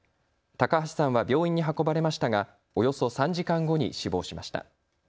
高橋さんは病院に運ばれましたがおよそ３時間後に死亡しました。